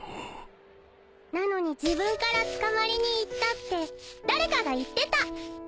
なのに自分から捕まりに行ったって誰かが言ってた！